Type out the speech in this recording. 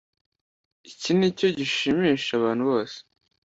iki nicyo gishimisha abantu bose